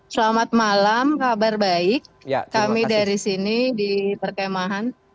selamat malam kabar baik kami dari sini di perkemahan